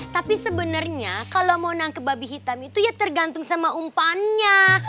tapi sebenarnya kalau mau nangkep babi hitam itu ya tergantung sama umpannya